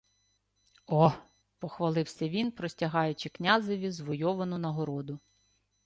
— О! — похвалився він, простягаючи князеві звойовану нагороду.